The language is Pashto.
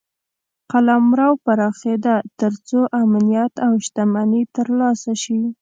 قلمرو پراخېده تر څو امنیت او شتمني ترلاسه شي.